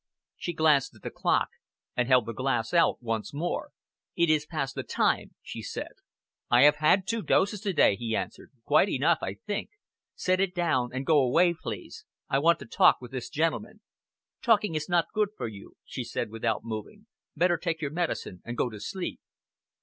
She glanced at the clock and held the glass out once more. "It is past the time," she said. "I have had two doses to day," he answered. "Quite enough, I think. Set it down and go away, please. I want to talk with this gentleman." "Talking is not good for you," she said, without moving. "Better take your medicine and go to sleep!"